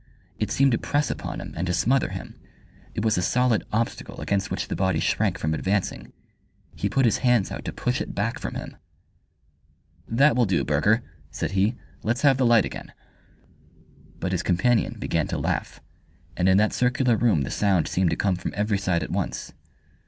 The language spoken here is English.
It seemed to press upon him and to smother him. It was a solid obstacle against which the body shrank from advancing. He put his hands out to push it back from him. "That will do, Burger," said he, "let's have the light again." But his companion began to laugh, and in that circular room the sound seemed to come from every side at once.